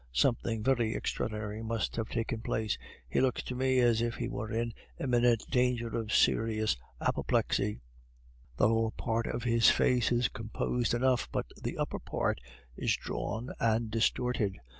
Something very extraordinary must have taken place; he looks to me as if he were in imminent danger of serous apoplexy. The lower part of his face is composed enough, but the upper part is drawn and distorted.